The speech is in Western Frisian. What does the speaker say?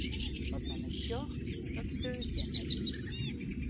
Wat men net sjocht, dat steurt jin net.